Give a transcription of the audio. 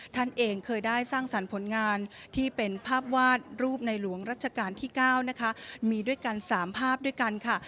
ท่านเองเคยได้สร้างสรรค์ผลงานที่เป็นภาพวาดรูปในหลวงรัชกาลที่๙นะคะมีด้วยกัน๓ภาพด้วยกันค่ะ